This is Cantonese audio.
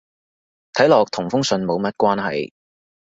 睇落同封信冇乜關係